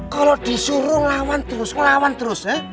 kalau disuruh ngelawan terus ngelawan terus